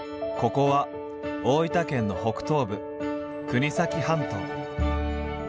ここは大分県の北東部国東半島。